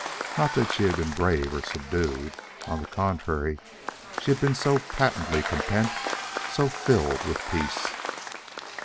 Not that she had been grave or subdued. On the contrary, she had been so patently content, so filled with peace.